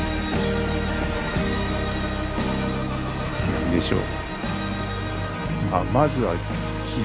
何でしょう。